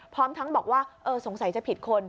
พร้อมทั้งบอกว่าสงสัยจะผิดคน